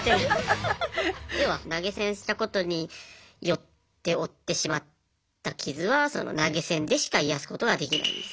要は投げ銭したことによって負ってしまった傷は投げ銭でしか癒やすことができないんです。